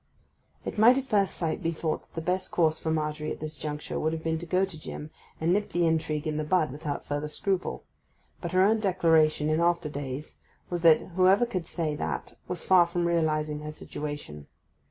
It might at first sight be thought that the best course for Margery at this juncture would have been to go to Jim, and nip the intrigue in the bud without further scruple. But her own declaration in after days was that whoever could say that was far from realizing her situation.